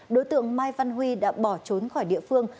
đối tượng mai văn huy đã bỏ trốn khỏi địa phương